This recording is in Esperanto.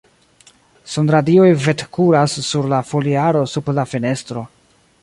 Sunradioj vetkuras sur la foliaro sub la fenestro.